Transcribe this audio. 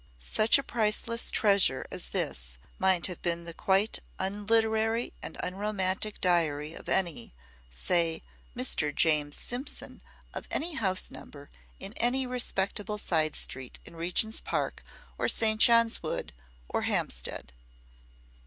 Such a priceless treasure as this might have been the quite unliterary and unromantic diary of any say, Mr. James Simpson of any house number in any respectable side street in Regents Park, or St. Johns Wood or Hampstead.